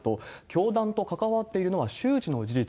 教団と関わっているのは周知の事実。